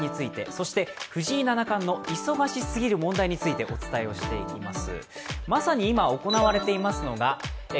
そして、藤井七冠の忙しすぎる問題についてお伝えしていきます。